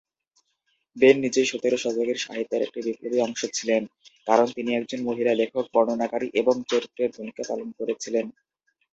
Ben নিজেই সতেরো শতকের সাহিত্যের একটি বিপ্লবী অংশ ছিলেন, কারণ তিনি একজন মহিলা লেখক, বর্ণনাকারী এবং চরিত্রের ভূমিকা পালন করেছিলেন।